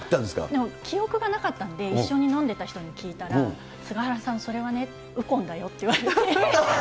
でも記憶がなかったんで、一緒に飲んでた人に聞いたら、菅原さん、それはね、ウコンだよ